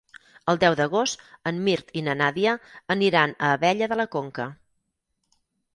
El deu d'agost en Mirt i na Nàdia aniran a Abella de la Conca.